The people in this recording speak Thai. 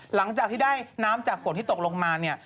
หลังจากที่ได้น้ำจากฝนที่ตกลงมาเนี่ย